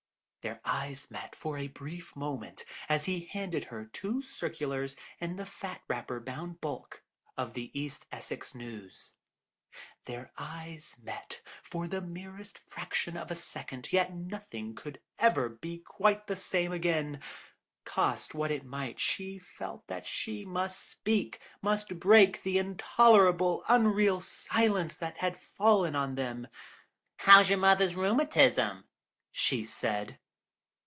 "Their eyes met, for a brief moment, as he handed her two circulars and the fat wrapper bound bulk of the East Essex News. Their eyes met, for the merest fraction of a second, yet nothing could ever be quite the same again. Cost what it might she felt that she must speak, must break the intolerable, unreal silence that had fallen on them. 'How is your mother's rheumatism?' she said."